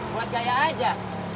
buat gaya aja